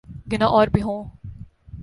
گناہ اور بھی ہوں۔